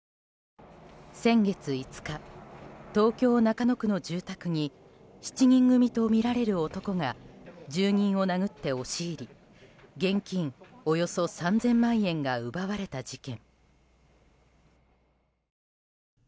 先月５日東京・中野区の住宅に７人組とみられる男が住人を殴って押し入り現金およそ３０００万円が奪われた事件。